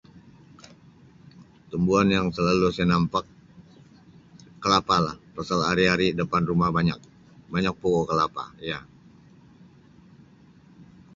Tumbuhan yang selalu saya nampak kelapa lah pasal hari-hari dapan rumah banyak, banyak pokok kelapa, ya.